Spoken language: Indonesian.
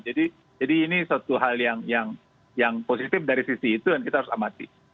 jadi ini satu hal yang positif dari sisi itu yang kita harus amati